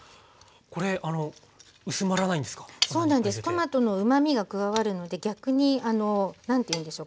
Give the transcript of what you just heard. トマトのうまみが加わるので逆に何て言うんでしょう。